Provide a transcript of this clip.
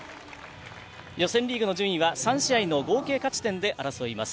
予選リーグの順位は３試合の合計勝ち点で争われます。